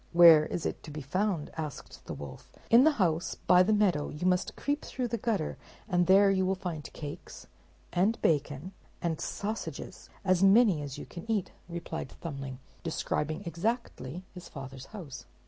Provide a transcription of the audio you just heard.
"Where is it to be found?" asked the wolf "In the house by the meadow; you must creep through the gutter, and there you will find cakes, and bacon, and sausages, as many as you can eat," replied Thumbling, describing exactly his father's house.